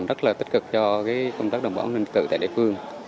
rất là tích cực cho công tác đồng bảo an ninh trực tại địa phương